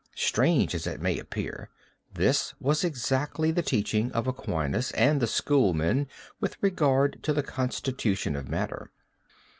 Strange as it may appear, this was exactly the teaching of Aquinas and the schoolmen with regard to the constitution of matter.